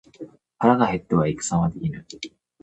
腹が減っては戦はできぬ。